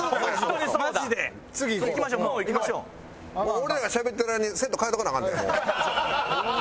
俺らがしゃべってる間にセット替えとかなアカンでもう。